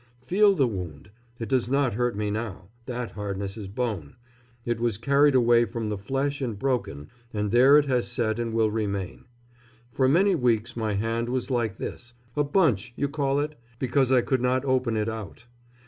Feel the wound, it does not hurt me now. That hardness is bone. It was carried away from the flesh and broken, and there it has set and will remain. For many weeks my hand was like this a bunch, you call it? because I could not open it out.